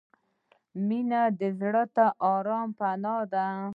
• مینه د زړه د آرام پناه ده.